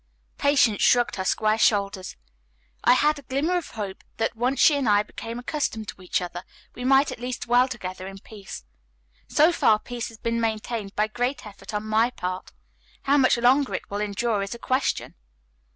Patience shrugged her square shoulders. "I had a glimmer of hope that, once she and I became accustomed to each other, we might at least dwell together in peace. So far peace has been maintained by great effort on my part. How much longer it will endure is a question."